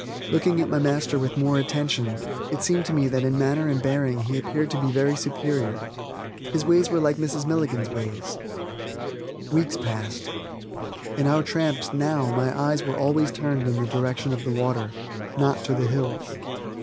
Looking at my master with more attention, it seemed to me that in manner and bearing he appeared to be very superior. His ways were like Mrs. Milligan's ways.... Weeks passed. On our tramps, now, my eyes were always turned in the direction of the water, not to the hills.